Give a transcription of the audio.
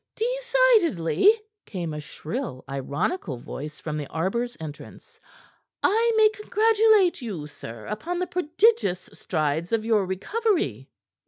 "Decidedly," came a shrill, ironical voice from the arbor's entrance, "I may congratulate you, sir, upon the prodigious strides of your recovery."